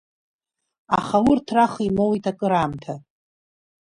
Аха урҭ раха имоуит акыраамҭа.